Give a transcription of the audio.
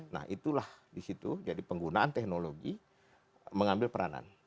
nah itulah disitu jadi penggunaan teknologi mengambil peranan